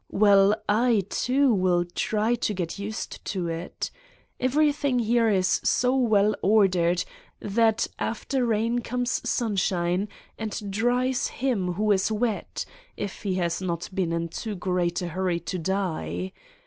Well, I, too, will try to get used to it. Every thing here is so well ordered that after rain comes sunshine and dries him who is wet, if he has not been in too great a hurry to die.